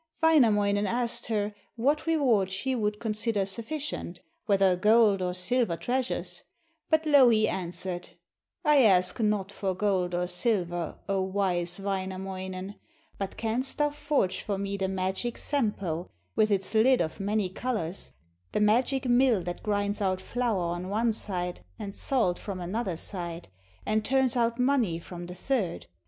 Wainamoinen asked her what reward she would consider sufficient, whether gold or silver treasures, but Louhi answered: 'I ask not for gold or silver, O wise Wainamoinen, but canst thou forge for me the magic Sampo, with its lid of many colours, the magic mill that grinds out flour on one side, and salt from another side, and turns out money from the third?